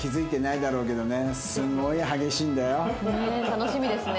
楽しみですね。